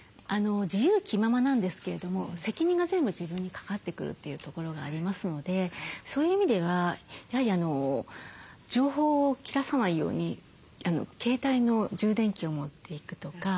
自由気ままなんですけれども責任が全部自分にかかってくるというところがありますのでそういう意味ではやはり情報を切らさないように携帯の充電器を持っていくとか。